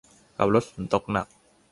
ขับรถฝนตกหนัก